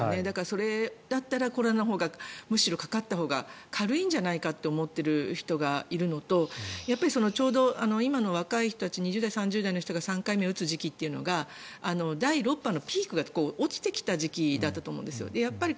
それだったらコロナにむしろかかったほうが軽いんじゃないかと思ってる人がいるのとやっぱりちょうど今の若い人たち２０代、３０代の人たちが３回目を打つ時期というのが第６波のピークが落ちてきた時期だったと思うんです。